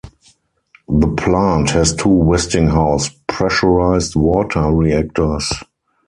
The plant has two Westinghouse pressurized water reactors.